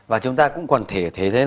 và chúng ta cũng còn thể thế